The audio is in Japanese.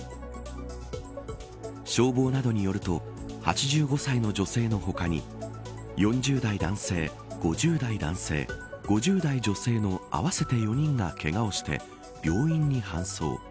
消防などによると８５歳の女性の他に４０代男性、５０代男性５０代女性の合わせて４人がけがをして、病院に搬送。